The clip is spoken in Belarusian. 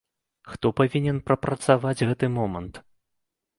Хто павінен прапрацаваць гэты момант?